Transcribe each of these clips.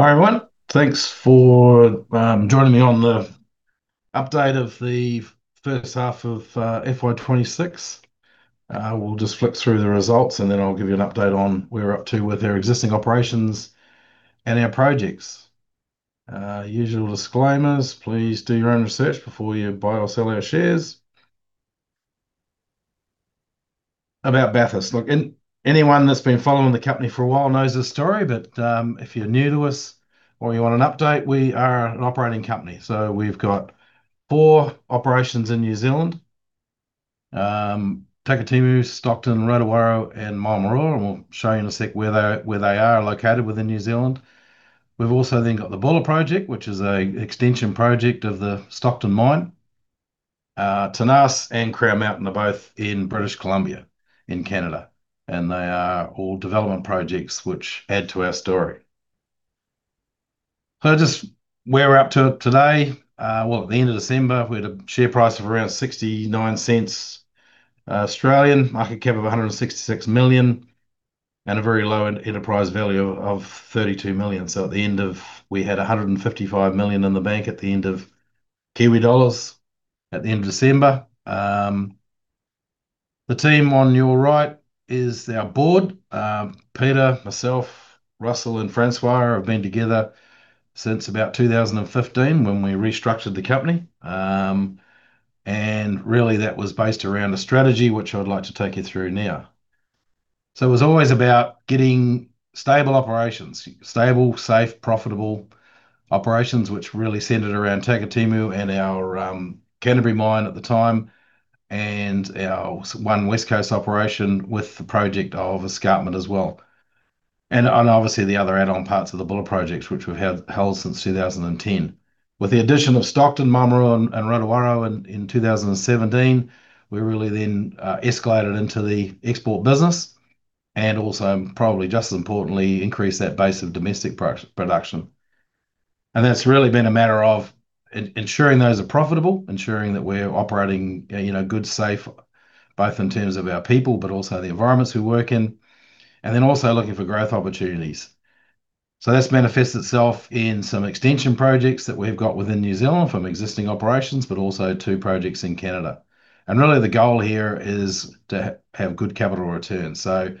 Hi, everyone. Thanks for joining me on the update of the first half of FY 2026. We'll just flip through the results, and then I'll give you an update on where we're up to with our existing operations and our projects. Usual disclaimers, please do your own research before you buy or sell our shares. About Bathurst. Look, anyone that's been following the company for a while knows this story, but if you're new to us or you want an update, we are an operating company. We've got four operations in New Zealand: Takitimu, Stockton, Rotowaro, and Maramarua, and we'll show you in a sec where they are located within New Zealand. We've also then got the Buller Project, which is a extension project of the Stockton mine. Tenas and Crown Mountain are both in British Columbia, in Canada. They are all development projects which add to our story. Just where we're up to today, well, at the end of December, we had a share price of around 0.69, market cap of 166 million, and a very low enterprise value of 32 million. We had 155 million in the bank at the end of December. The team on your right is our board. Peter, myself, Russell, and Francois have been together since about 2015, when we restructured the company. Really, that was based around a strategy which I'd like to take you through now. It was always about getting stable operations, stable, safe, profitable operations, which really centered around Takitimu and our Canterbury mine at the time, and our one West Coast operation with the project of Escarpment as well, and obviously the other add-on parts of the Buller Projects, which we've had held since 2010. With the addition of Stockton, Maramarua, and Rotowaro in 2017, we really then escalated into the export business and also, probably just as importantly, increased that base of domestic production. That's really been a matter of ensuring those are profitable, ensuring that we're operating, you know, good, safe, both in terms of our people, but also the environments we work in, and then also looking for growth opportunities. This manifests itself in some extension projects that we've got within New Zealand from existing operations, but also two projects in Canada. Really, the goal here is to have good capital return. The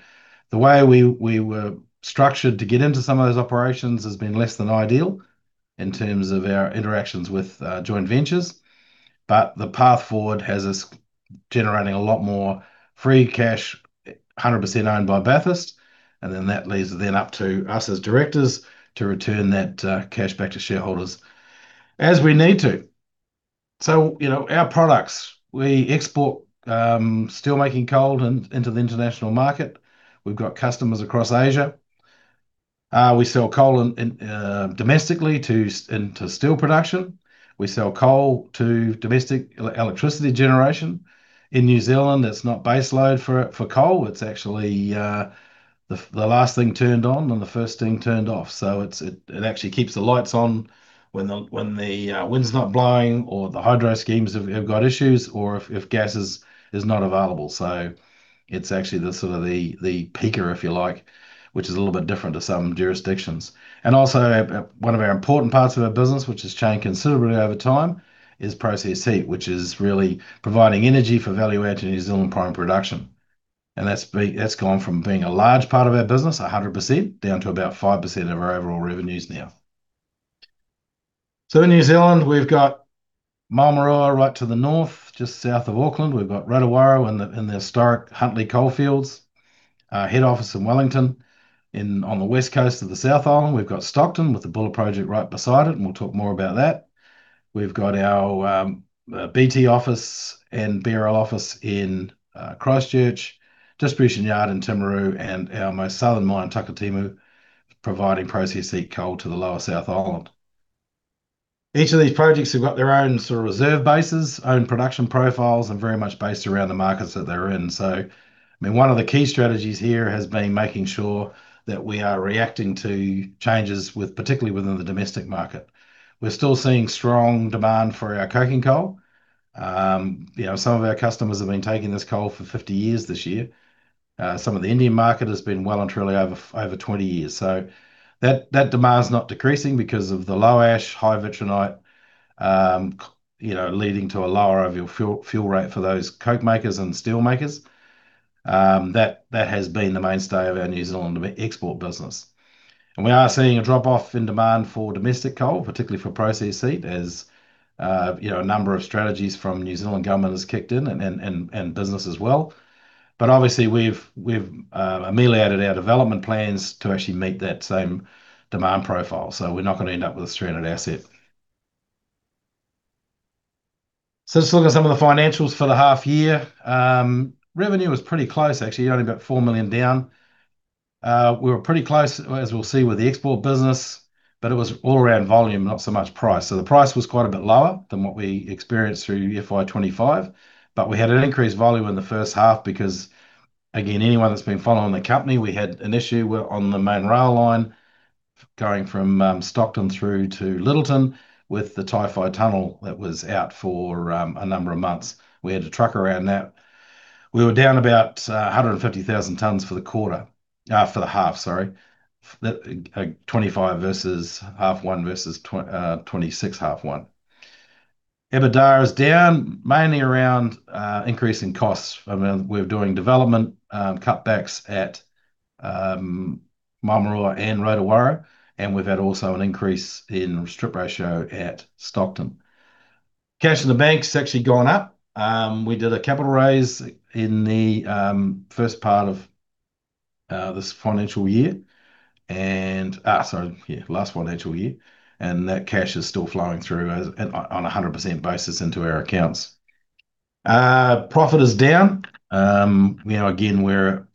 way we were structured to get into some of those operations has been less than ideal in terms of our interactions with joint ventures, but the path forward has us generating a lot more free cash, 100% owned by Bathurst, and then that leaves it then up to us, as directors, to return that cash back to shareholders as we need to. You know, our products, we export steel-making coal into the international market. We've got customers across Asia. We sell coal domestically into steel production. We sell coal to domestic electricity generation. In New Zealand, that's not base load for coal, it's actually the last thing turned on and the first thing turned off. It actually keeps the lights on when the wind's not blowing or the hydro schemes have got issues or if gas is not available. It's actually the sort of the peaker, if you like, which is a little bit different to some jurisdictions. Also, one of our important parts of our business, which has changed considerably over time, is process heat, which is really providing energy for value-added New Zealand prime production, and that's gone from being a large part of our business, 100%, down to about 5% of our overall revenues now. In New Zealand, we've got Maramarua right to the north, just south of Auckland. We've got Rotowaro in the historic Huntly Coalfields. Our head office in Wellington. On the west coast of the South Island, we've got Stockton, with the Buller Project right beside it, and we'll talk more about that. We've got our BT office and Buller office in Christchurch, distribution yard in Timaru, and our most southern mine, Takitimu, providing process heat coal to the lower South Island. Each of these projects have got their own sort of reserve bases, own production profiles, and very much based around the markets that they're in. I mean, one of the key strategies here has been making sure that we are reacting to changes with, particularly within the domestic market. We're still seeing strong demand for our coking coal. You know, some of our customers have been taking this coal for 50 years this year. Some of the Indian market has been well and truly over 20 years. That demand is not decreasing because of the low ash, high vitrinite, you know, leading to a lower overall fuel rate for those coke makers and steel makers. That has been the mainstay of our New Zealand export business. We are seeing a drop-off in demand for domestic coal, particularly for process heat, as, you know, a number of strategies from New Zealand government has kicked in, and business as well. Obviously, we've ameliorated our development plans to actually meet that same demand profile, so we're not gonna end up with a stranded asset. Let's look at some of the financials for the half year. Revenue was pretty close, actually, only about 4 million down. We were pretty close, as we'll see, with the export business, but it was all around volume, not so much price. The price was quite a bit lower than what we experienced through FY 2025, but we had an increased volume in the first half because, again, anyone that's been following the company, we had an issue with, on the main rail line going from Stockton through to Lyttelton, with the Tawhai Tunnel that was out for a number of months. We had to truck around that. We were down about 150,000 tons for the quarter, for the half, sorry. 2025 versus half one versus 2026 half one. EBITDA is down, mainly around increasing costs. I mean, we're doing development cutbacks at Maramarua and Rotowaro, and we've had also an increase in strip ratio at Stockton. Cash in the bank's actually gone up. We did a capital raise in the first part of this financial year, and so, yeah, last financial year, and that cash is still flowing through as on a 100% basis into our accounts. Profit is down. You know, again, we're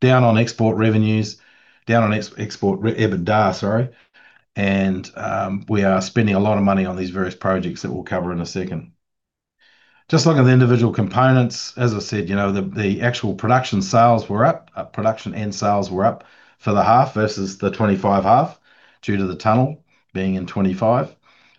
down on export revenues, down on export EBITDA, sorry. We are spending a lot of money on these various projects that we'll cover in a second. Just looking at the individual components, as I said, you know, the actual production sales were up. Production and sales were up for the half versus the 2025 half, due to the tunnel being in 2025.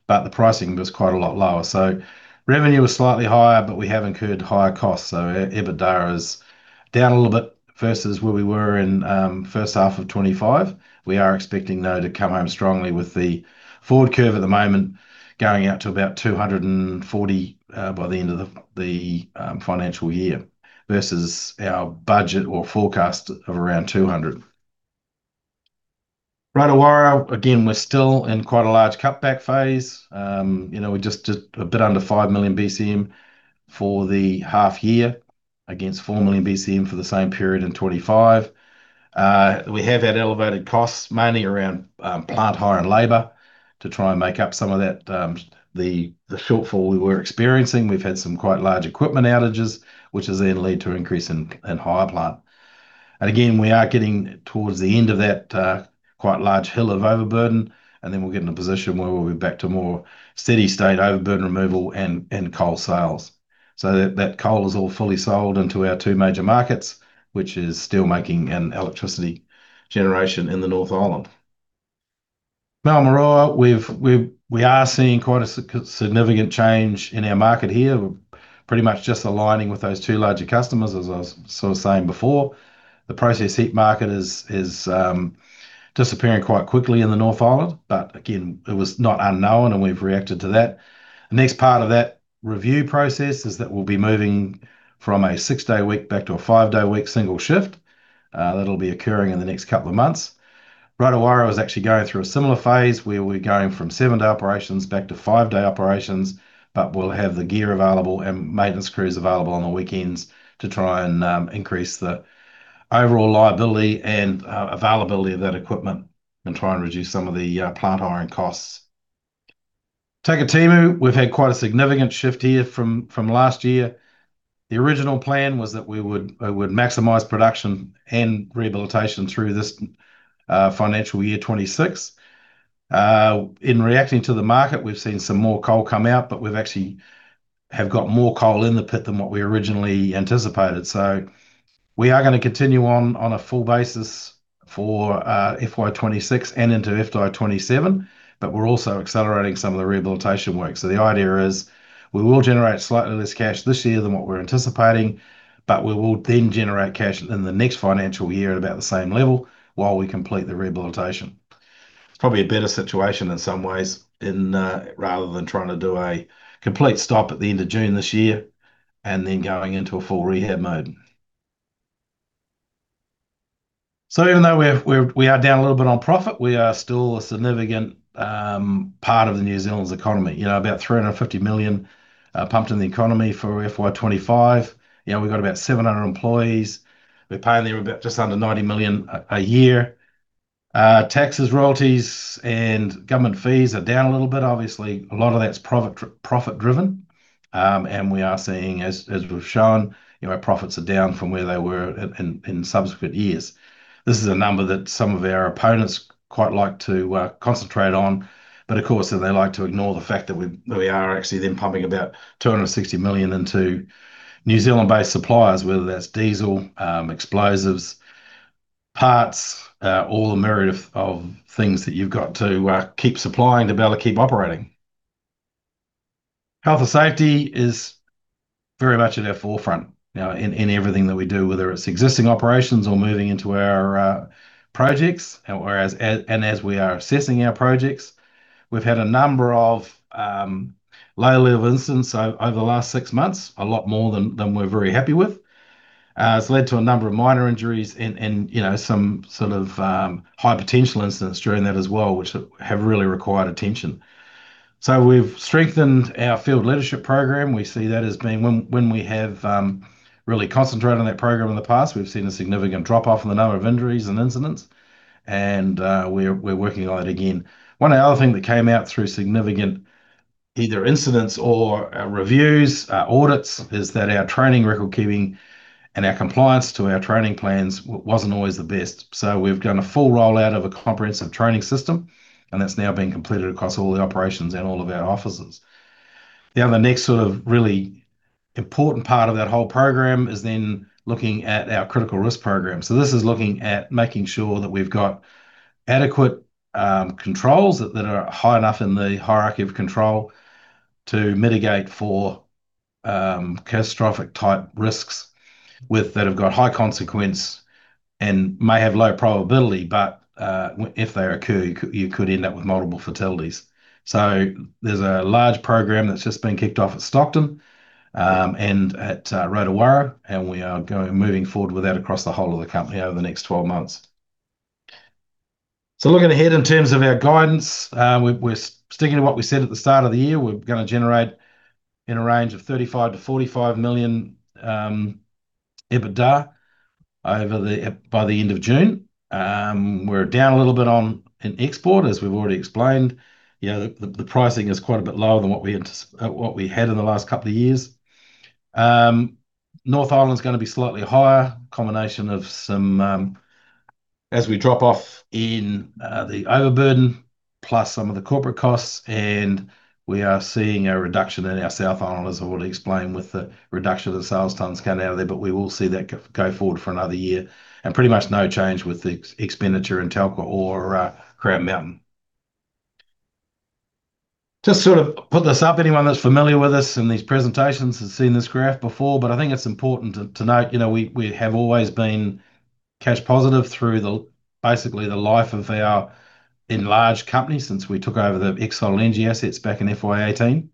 The pricing was quite a lot lower. Revenue was slightly higher. We have incurred higher costs. EBITDA is down a little bit versus where we were in first half of 2025. We are expecting, though, to come home strongly with the forward curve at the moment, going out to about 240 by the end of the financial year, versus our budget or forecast of around 200. Rotowaro, again, we're still in quite a large cutback phase. You know, we're just a bit under 5 million BCM for the half year, against 4 million BCM for the same period in 2025. We have had elevated costs, mainly around plant hire and labour, to try and make up some of that shortfall we were experiencing. We've had some quite large equipment outages, which has then led to an increase in hire plant. Again, we are getting towards the end of that quite large hill of overburden, and then we'll get in a position where we'll be back to more steady state overburden removal and coal sales. That coal is all fully sold into our two major markets, which is steelmaking and electricity generation in the North Island. Maramarua, we are seeing quite a significant change in our market here. We're pretty much just aligning with those two larger customers, as I was sort of saying before. The process heat market is disappearing quite quickly in the North Island. Again, it was not unknown, and we've reacted to that. The next part of that review process is that we'll be moving from a six-day week back to a five-day week, single shift. That'll be occurring in the next couple of months. Rotowaro is actually going through a similar phase, where we're going from seven-day operations back to five-day operations. We'll have the gear available and maintenance crews available on the weekends to try and increase the overall liability and availability of that equipment and try and reduce some of the plant hiring costs. Takitimu, we've had quite a significant shift here from last year. The original plan was that we would maximize production and rehabilitation through this financial year, 2026. In reacting to the market, we've seen some more coal come out, but we've actually have got more coal in the pit than what we originally anticipated. We are gonna continue on a full basis for FY 2026 and into FY 2027, but we're also accelerating some of the rehabilitation work. The idea is, we will generate slightly less cash this year than what we're anticipating, but we will then generate cash in the next financial year at about the same level, while we complete the rehabilitation. It's probably a better situation in some ways, in rather than trying to do a complete stop at the end of June this year, and then going into a full rehab mode. Even though we are down a little bit on profit, we are still a significant part of the New Zealand's economy. You know, about 350 million pumped in the economy for FY 2025. You know, we've got about 700 employees. We're paying them about just under 90 million a year. Taxes, royalties, and government fees are down a little bit. Obviously, a lot of that's profit-driven. We are seeing, as we've shown, you know, our profits are down from where they were at in subsequent years. This is a number that some of our opponents quite like to concentrate on, of course, they like to ignore the fact that we are actually then pumping about 260 million into New Zealand-based suppliers, whether that's diesel, explosives, parts, all the myriad of things that you've got to keep supplying to be able to keep operating. Health and safety is very much at the forefront, you know, in everything that we do, whether it's existing operations or moving into our projects. Whereas, and as we are assessing our projects, we've had a number of low-level incidents over the last six months, a lot more than we're very happy with. It's led to a number of minor injuries and, you know, some sort of high-potential incidents during that as well, which have really required attention. We've strengthened our field leadership program. We see that as being when we have really concentrated on that program in the past, we've seen a significant drop-off in the number of injuries and incidents, and we're working on it again. One other thing that came out through significant either incidents or reviews, audits, is that our training, record-keeping, and our compliance to our training plans wasn't always the best. We've done a full rollout of a comprehensive training system, and that's now been completed across all the operations and all of our offices. The next sort of really important part of that whole program is then looking at our critical risk program. This is looking at making sure that we've got adequate controls that are high enough in the hierarchy of controls to mitigate for catastrophic type risks that have got high consequence and may have low probability, but if they occur, you could end up with multiple fatalities. There's a large program that's just been kicked off at Stockton and at Rotowaro, and we are moving forward with that across the whole of the company over the next 12 months. Looking ahead in terms of our guidance, we're sticking to what we said at the start of the year. We're gonna generate in a range of 35 million-45 million EBITDA by the end of June. We're down a little bit in export, as we've already explained. You know, the pricing is quite a bit lower than what we had in the last couple of years. North Island's gonna be slightly higher, a combination of some, as we drop off in the overburden, plus some of the corporate costs, and we are seeing a reduction in our South Island, as I've already explained, with the reduction of the sales tons coming out of there, but we will see that go forward for another year. Pretty much no change with the expenditure in Tenas or Crown Mountain. Just sort of put this up, anyone that's familiar with us and these presentations has seen this graph before, but I think it's important to note, you know, we have always been cash positive through the, basically the life of our enlarged company since we took over the Exxon LNG assets back in FY 2018.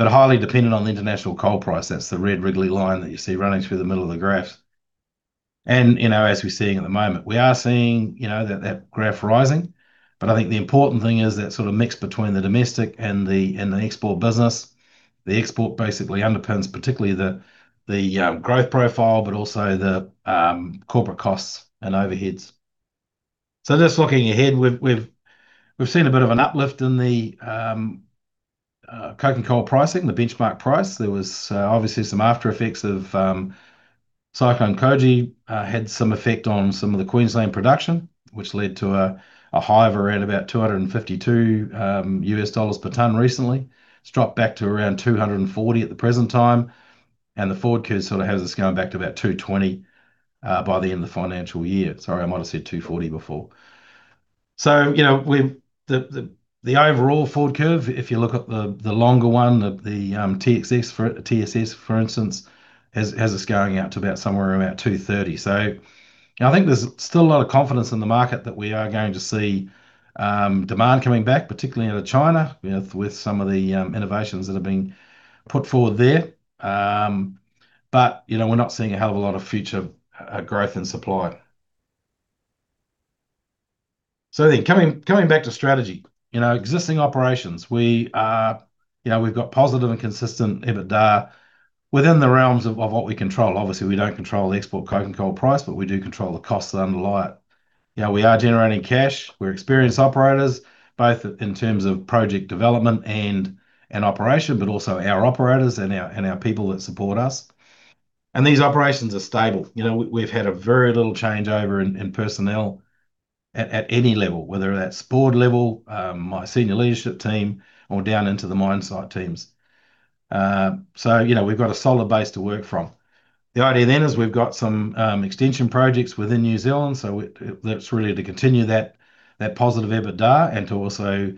Highly dependent on the international coal price, that's the red wriggly line that you see running through the middle of the graph. You know, as we're seeing at the moment, we are seeing, you know, that graph rising, but I think the important thing is that sort of mix between the domestic and the export business. The export basically underpins particularly the growth profile, but also the corporate costs and overheads. Just looking ahead, we've seen a bit of an uplift in the coking coal pricing, the benchmark price. There was obviously some after-effects of Cyclone Kirrily had some effect on some of the Queensland production, which led to a high of around about $252 per tonne recently. It's dropped back to around $240 at the present time, and the forward curve sort of has us going back to about $220 by the end of the financial year. Sorry, I might have said $240 before. You know, we've the overall forward curve, if you look at the longer one, the TXS for, TSS, for instance, has us going out to about somewhere around $230. You know, I think there's still a lot of confidence in the market that we are going to see demand coming back, particularly out of China, with some of the innovations that are being put forward there. But, you know, we're not seeing a hell of a lot of future growth in supply. Coming back to strategy. You know, existing operations, we are, you know, we've got positive and consistent EBITDA within the realms of what we control. Obviously, we don't control the export coking coal price, but we do control the costs that underlie it. You know, we are generating cash. We're experienced operators, both in terms of project development and operation, but also our operators and our people that support us. These operations are stable. You know, we've had a very little changeover in personnel at any level, whether that's board level, my senior leadership team, or down into the mine site teams. You know, we've got a solid base to work from. The idea is we've got some extension projects within New Zealand, so that's really to continue that positive EBITDA and to also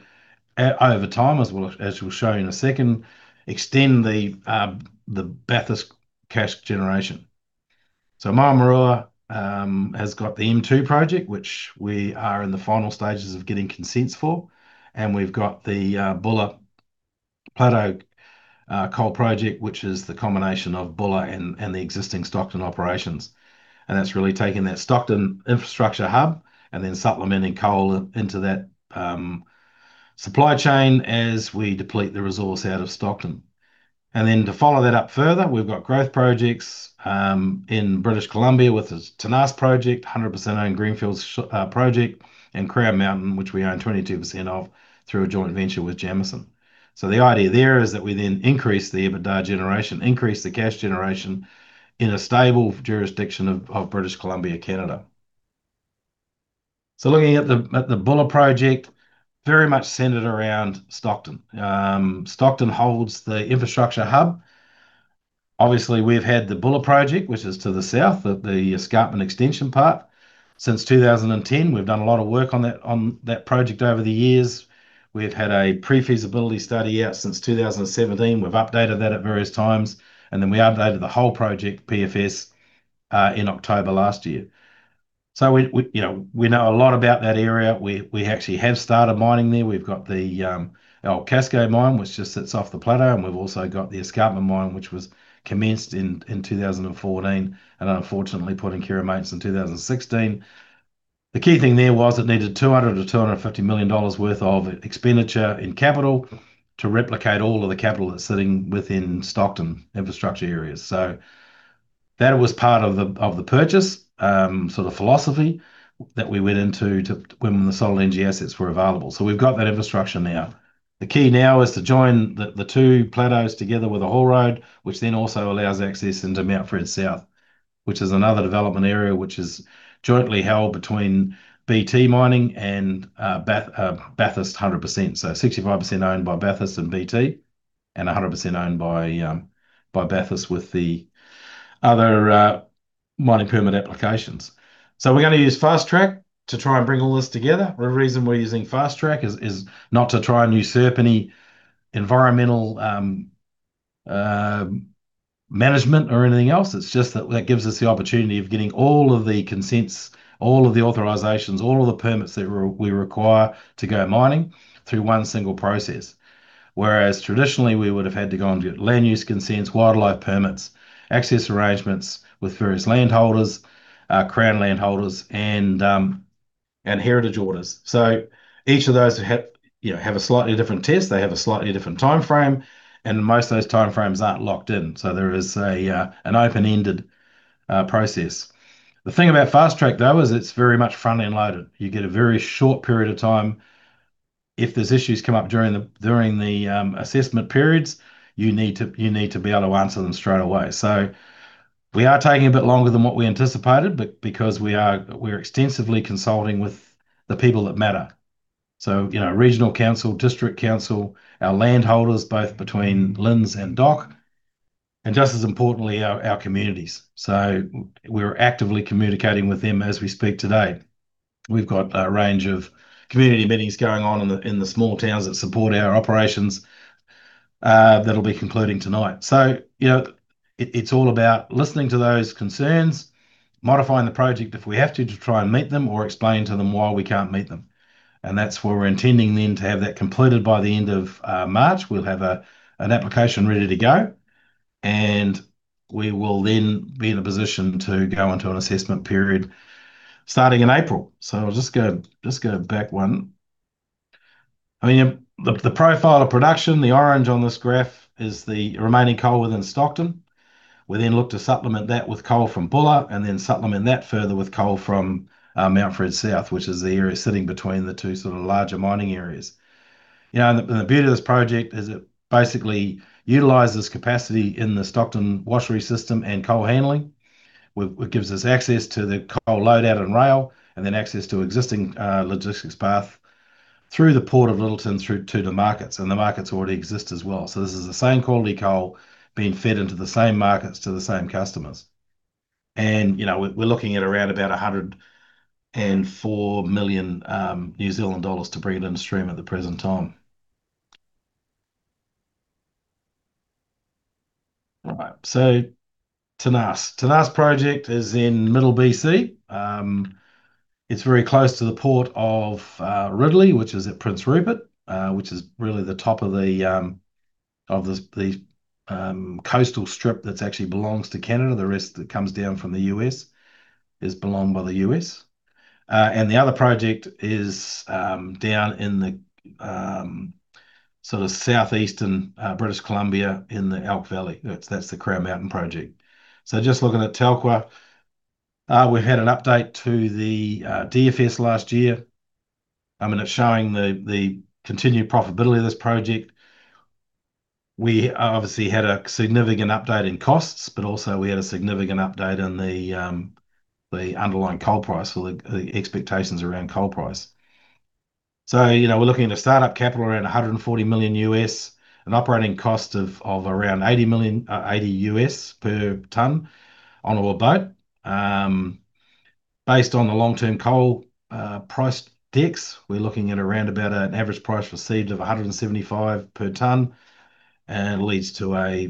over time, as we'll show you in a second, extend the Bathurst cash generation. Maramarua has got the M2 project, which we are in the final stages of getting consents for, and we've got the Buller Plateau coal project, which is the combination of Buller and the existing Stockton operations. That's really taking that Stockton infrastructure hub and then supplementing coal into that supply chain as we deplete the resource out of Stockton. To follow that up further, we've got growth projects in British Columbia with the Tenas project, 100% owned greenfields project, and Crown Mountain, which we own 22% of through a joint venture with Jameson. The idea there is that we then increase the EBITDA generation, increase the cash generation in a stable jurisdiction of British Columbia, Canada. Looking at the Buller project, very much centered around Stockton. Stockton holds the infrastructure hub. Obviously, we've had the Buller project, which is to the south of the Escarpment Extension Park. Since 2010, we've done a lot of work on that project over the years. We've had a pre-feasibility study out since 2017. We've updated that at various times, and then we updated the whole project PFS in October last year. we, you know, we know a lot about that area. We actually have started mining there. We've got the our Cascade mine, which just sits off the plateau, and we've also got the Escarpment mine, which was commenced in 2014, and unfortunately, put in care and maintenance in 2016. The key thing there was it needed $200 million-$250 million worth of expenditure in capital to replicate all of the capital that's sitting within Stockton infrastructure areas. That was part of the purchase, sort of philosophy that we went into, when the Solid Energy assets were available. We've got that infrastructure now. The key now is to join the two plateaus together with a haul road, which then also allows access into Mountford South, which is another development area, which is jointly held between BT Mining and Bathurst 100%. 65% owned by Bathurst and BT, and 100% owned by Bathurst with the other mining permit applications. We're gonna use Fast-track to try and bring all this together. The reason we're using Fast-track is not to try and usurp any environmental management or anything else, it's just that that gives us the opportunity of getting all of the consents, all of the authorizations, all of the permits that we require to go mining through one single process. Whereas traditionally, we would have had to go and get land use consents, wildlife permits, access arrangements with various landholders, Crown landholders, and heritage orders. Each of those have, you know, have a slightly different test, they have a slightly different timeframe, and most of those timeframes aren't locked in. There is an open-ended process. The thing about Fast-track, though, is it's very much front-end loaded. You get a very short period of time. If there's issues come up during the assessment periods, you need to be able to answer them straight away. We are taking a bit longer than what we anticipated, but because we're extensively consulting with the people that matter. You know, regional council, district council, our landholders, both between LINZ and DOC, and just as importantly, our communities. We're actively communicating with them as we speak today. We've got a range of community meetings going on in the small towns that support our operations, that'll be concluding tonight. You know, it's all about listening to those concerns, modifying the project if we have to try and meet them, or explaining to them why we can't meet them, and that's where we're intending then to have that completed by the end of March. We'll have an application ready to go, and we will then be in a position to go into an assessment period starting in April. I'll just go back one. I mean, the profile of production, the orange on this graph, is the remaining coal within Stockton. We then look to supplement that with coal from Buller. Then supplement that further with coal from Mountford South, which is the area sitting between the two sort of larger mining areas. You know, the beauty of this project is it basically utilizes capacity in the Stockton washery system and coal handling, which gives us access to the coal loadout and rail, and then access to existing logistics path through the Port of Lyttelton, through to the markets. The markets already exist as well. This is the same quality coal being fed into the same markets to the same customers. You know, we're looking at around about 104 million New Zealand dollars to bring it into stream at the present time. Right, Tenas. Tenas project is in middle BC. It's very close to the port of Ridley, which is at Prince Rupert, which is really the top of the coastal strip that actually belongs to Canada. The rest that comes down from the U.S. is belonged by the U.S. The other project is down in the sort of southeastern British Columbia in the Elk Valley. That's the Crown Mountain project. Just looking at Tenas, we had an update to the DFS last year, and it's showing the continued profitability of this project. We obviously had a significant update in costs, but also we had a significant update on the underlying coal price, or the expectations around coal price. You know, we're looking at a start-up capital around $140 million US, an operating cost of around $80 million, $80 U.S. per ton on a boat. Based on the long-term coal price decks, we're looking at around about an average price received of $175 per ton, and leads to a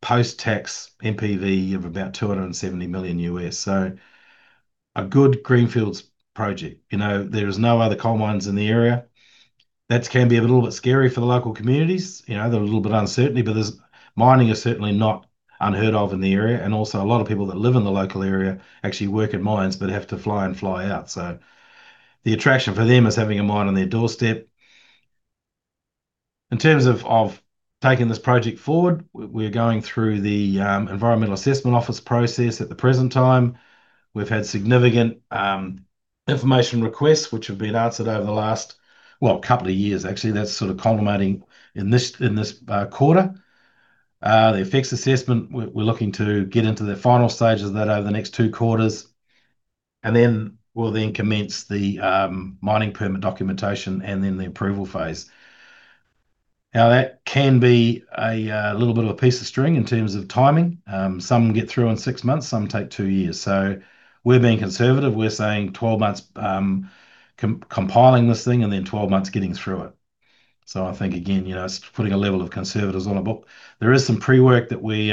post-tax NPV of about $270 million US. A good greenfields project. You know, there is no other coal mines in the area. That can be a little bit scary for the local communities. You know, they're a little bit uncertainty, but there's... Mining is certainly not unheard of in the area, and also a lot of people that live in the local area actually work in mines, but have to fly and fly out, so the attraction for them is having a mine on their doorstep. In terms of taking this project forward, we're going through the Environmental Assessment Office process at the present time. We've had significant information requests, which have been answered over the last, well, couple of years actually. That's sort of culminating in this, in this quarter. The effects assessment, we're looking to get into the final stages of that over the next two quarters, and then we'll then commence the mining permit documentation, and then the approval phase. That can be a little bit of a piece of string in terms of timing. Some get through in six months, some take two years. We're being conservative. We're saying 12 months, compiling this thing, 12 months getting through it. I think, again, you know, it's putting a level of conservatism on a book. There is some pre-work that we.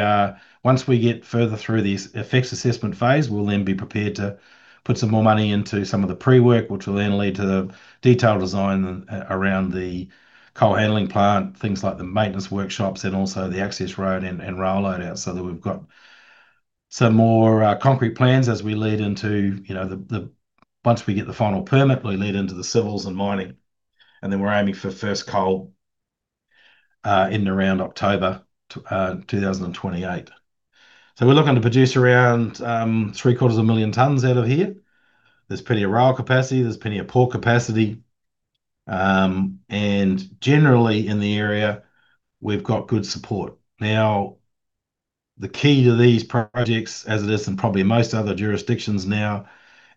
Once we get further through the effects assessment phase, we'll then be prepared to put some more money into some of the pre-work, which will then lead to the detailed design around the coal handling plant, things like the maintenance workshops, and also the access road and rail loadout, so that we've got some more concrete plans as we lead into, you know, the. Once we get the final permit, we lead into the civils and mining, we're aiming for first coal in around October 2028. We're looking to produce around three-quarters of a million tons out of here. There's plenty of rail capacity, there's plenty of port capacity, and generally in the area, we've got good support. The key to these projects, as it is in probably most other jurisdictions now,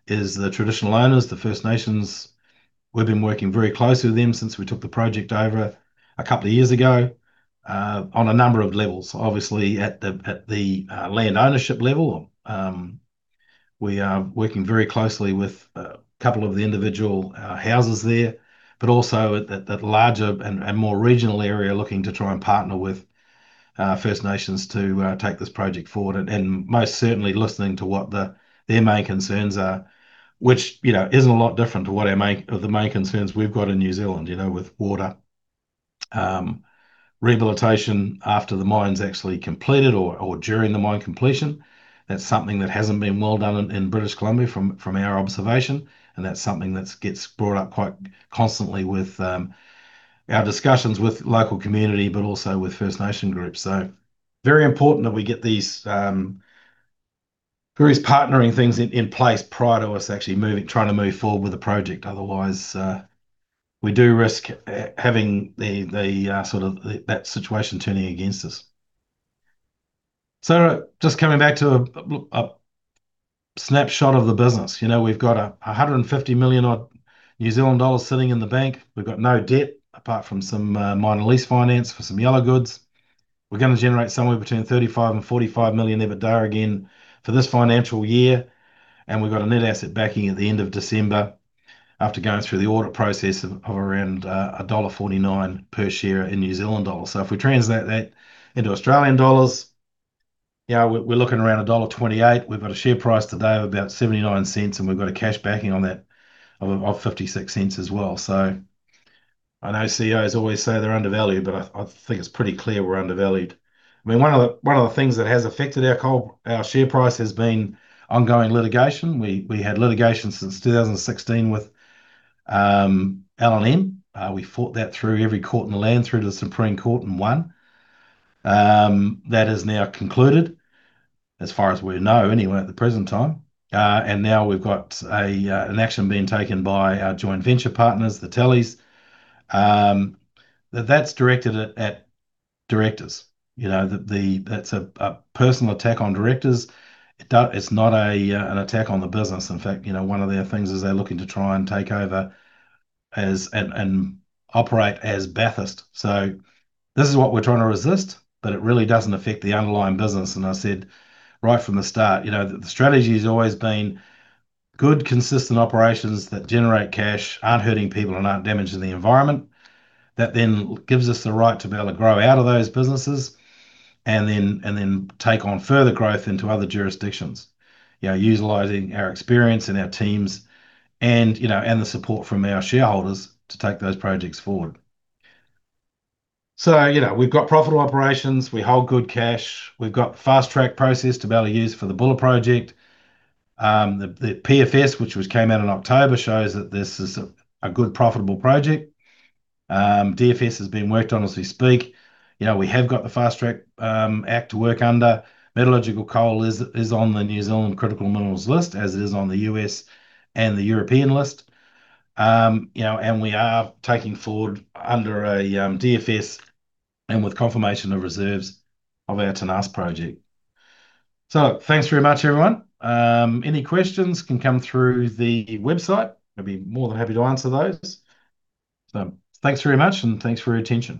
is the traditional owners, the First Nations. We've been working very closely with them since we took the project over a couple of years ago. On a number of levels. Obviously, at the land ownership level, we are working very closely with a couple of the individual houses there, but also at that larger and more regional area, looking to try and partner with First Nations to take this project forward. Most certainly listening to what their main concerns are, which, you know, isn't a lot different to what the main concerns we've got in New Zealand, you know, with water. Rehabilitation after the mine's actually completed or during the mine completion, that's something that hasn't been well done in British Columbia from our observation, and that's something that's gets brought up quite constantly with our discussions with local community, but also with First Nation groups. Very important that we get these various partnering things in place prior to us actually moving, trying to move forward with the project. Otherwise, we do risk having the sort of the, that situation turning against us. Just coming back to a snapshot of the business. You know, we've got 150 million odd sitting in the bank. We've got no debt, apart from some minor lease finance for some yellow goods. We're gonna generate somewhere between 35 million-45 million EBITDA again for this financial year, and we've got a net asset backing at the end of December, after going through the audit process, of around dollar 1.49 per share. If we translate that into Australian dollars, yeah, we're looking around dollar 1.28. We've got a share price today of about 0.79, and we've got a cash backing on that of 0.56 as well. I know CEOs always say they're undervalued, but I think it's pretty clear we're undervalued. I mean, one of the things that has affected our share price has been ongoing litigation. We had litigation since 2016 with L&M Coal. We fought that through every court in the land, through to the Supreme Court, and won. That is now concluded, as far as we know anyway, at the present time. Now we've got an action being taken by our joint venture partners, the Talley's Group. That's directed at directors. You know, that's a personal attack on directors. It's not an attack on the business. In fact, you know, one of their things is they're looking to try and take over and operate as Bathurst. This is what we're trying to resist, but it really doesn't affect the underlying business. I said right from the start, you know, the strategy has always been good, consistent operations that generate cash, aren't hurting people, and aren't damaging the environment. That then gives us the right to be able to grow out of those businesses, and then take on further growth into other jurisdictions, you know, utilizing our experience and our teams and, you know, the support from our shareholders to take those projects forward. You know, we've got profitable operations. We hold good cash. We've got Fast-track process to be able to use for the Buller project. The PFS, which was came out in October, shows that this is a good, profitable project. DFS is being worked on as we speak. You know, we have got the Fast-track Act to work under. Metallurgical coal is on the New Zealand Critical Minerals List, as it is on the U.S. and the European list. You know, we are taking forward under a DFS and with confirmation of reserves of our Tenas project. Thanks very much, everyone. I'd be more than happy to answer those. Thanks very much, and thanks for your attention.